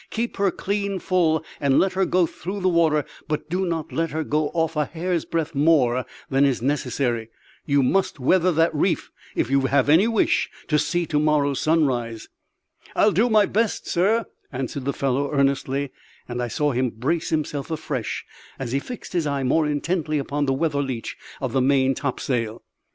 Keep her clean full, and let her go through the water; but do not let her go off a hair's breadth more than is necessary. You must weather that reef if you have any wish to see to morrow's sun rise." "I'll do my best, sir," answered the fellow, earnestly; and I saw him brace himself afresh as he fixed his eye more intently upon the weather leach of the main topsail.